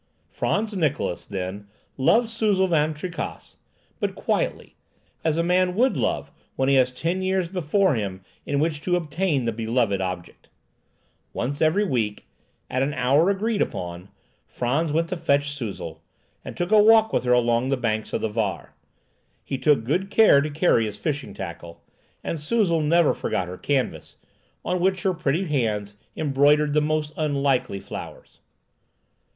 Frantz Niklausse, then, loved Suzel Van Tricasse, but quietly, as a man would love when he has ten years before him in which to obtain the beloved object. Once every week, at an hour agreed upon, Frantz went to fetch Suzel, and took a walk with her along the banks of the Vaar. He took good care to carry his fishing tackle, and Suzel never forgot her canvas, on which her pretty hands embroidered the most unlikely flowers.